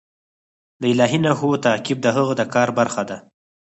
د الهي نښو تعقیب د هغه د کار برخه ده.